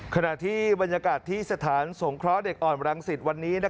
ขณะที่บรรยากาศที่สถานสงคร้าวิทยาลัยเด็กอ่อนวัลังศิษฐ์วันนี้